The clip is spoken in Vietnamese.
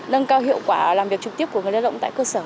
nâng cao hiệu quả làm việc trực tiếp của người lao động tại cơ sở